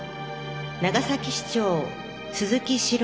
長崎市長、鈴木史朗。